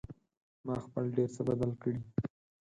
ما خپل ډېر څه بدل کړي